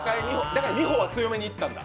だから「みほ」は強めにいったんだ。